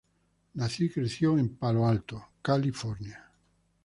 Nació y creció en Palo Alto, California.